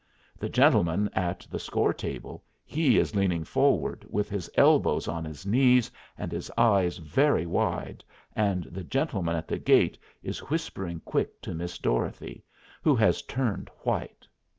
The gentleman at the score table, he is leaning forward, with his elbows on his knees and his eyes very wide, and the gentleman at the gate is whispering quick to Miss Dorothy, who has turned white.